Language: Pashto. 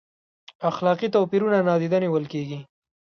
اخلاقي توپیرونه نادیده نیول کیږي؟